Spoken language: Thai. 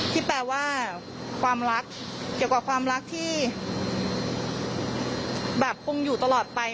ที่แปลว่าความรักเกี่ยวกับความรักที่แบบคงอยู่ตลอดไป